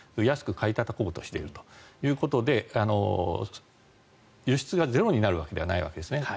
安く買いたたこうとしているということで輸出がゼロになるわけではないですね。